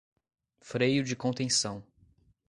Freio de contenção